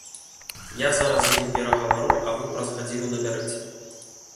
Я зараз з ім перагавару, а вы праз гадзіну набярыце.